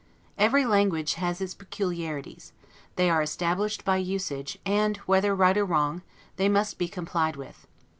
Every language has its peculiarities; they are established by usage, and whether right or wrong, they must be complied with.